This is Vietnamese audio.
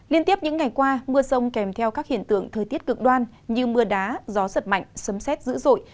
liên tiếp những ngày qua mưa sông kèm theo các hiện tượng thời tiết cực đoan như mưa đá gió giật mạnh sấm xét dữ dội